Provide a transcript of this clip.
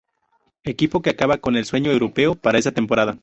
Equipo que acaba con el sueño europeo para esa temporada.